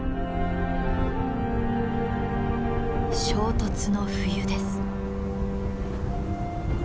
衝突の冬です。